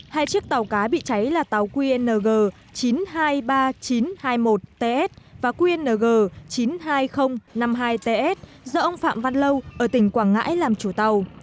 hai chiếc tàu cá bị cháy là tàu qng chín trăm hai mươi ba nghìn chín trăm hai mươi một ts và qng chín mươi hai nghìn năm mươi hai ts do ông phạm văn lâu ở tỉnh quảng ngãi làm chủ tàu